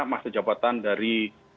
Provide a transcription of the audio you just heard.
masa jabatan dari